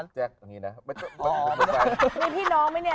แจ็คอย่างงี้นะ